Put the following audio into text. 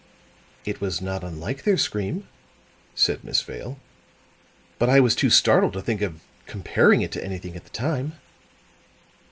"It was not unlike their scream," said Miss Vale. "But I was too much startled to think of comparing it to anything at the time!"